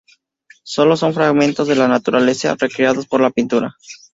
Sólo son fragmentos de naturaleza recreados por la pintura.